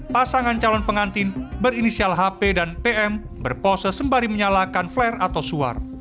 pasangan calon pengantin berinisial hp dan pm berpose sembari menyalakan flare atau suar